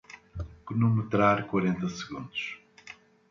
Cronometrar quarenta segundos